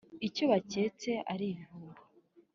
Icyo baketse ari ibihuha: